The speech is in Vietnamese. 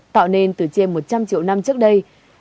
tạo nên từ trên một trăm linh triệu năm trước đây